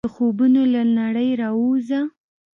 د خوبونو له نړۍ راووځه !